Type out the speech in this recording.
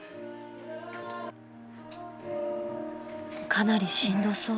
［かなりしんどそう］